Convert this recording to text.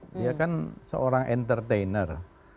dia kan seorang entertainer